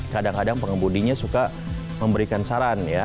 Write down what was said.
kadang kadang pengemudinya suka memberikan saran ya